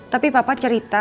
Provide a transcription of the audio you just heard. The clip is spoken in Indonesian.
tapi papa cerita